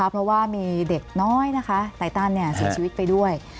เพราะว่ามีเด็กน้อยนะคะไตตันเสียชีวิตไปด้วย